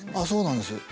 そうなんです。